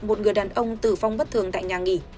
một người đàn ông tử vong bất thường tại nhà nghỉ